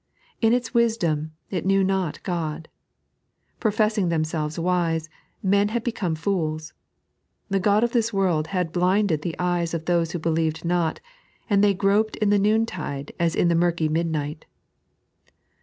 In its wisdom, it knew not God. Professing themselves wise, men had become fools. The god of this world had blinded the eyes of those who believed not, and they gn^d in the noontide as in the murky midnight.